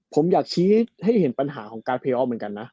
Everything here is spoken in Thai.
ผมอยากชี้ให้เห็นปัญหาของการเพลยออฟเหมือนกันนะ